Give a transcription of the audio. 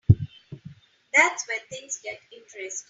That's where things get interesting.